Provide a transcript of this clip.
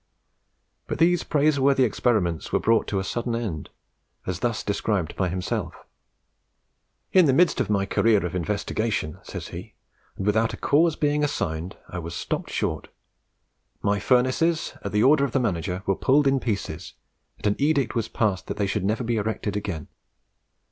But these praiseworthy experiments were brought to a sudden end, as thus described by himself: "In the midst of my career of investigation," says he, "and without a cause being assigned, I was stopped short. My furnaces, at the order of the manager, were pulled in pieces, and an edict was passed that they should never be erected again.